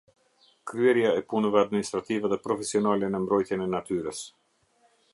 Kryerja e punëve administrative dhe profesionale në mbrojtjen e natyrës.